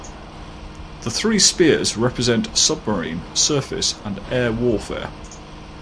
The three spears represent submarine, surface and air warfare.